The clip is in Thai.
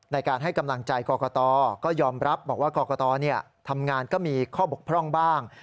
ในการให้กำลังใจกรกตก็ยอมรับบอกว่ากรกตทำงานก็มีข้อบกพร่องบ้าง